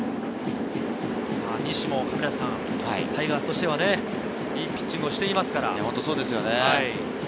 西もタイガースとしてはいいピッチングをしていますから。